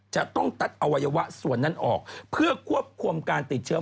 จะต้องตัดอวัยวะส่วนนั้นออกเพื่อควบคุมการติดเชื้อ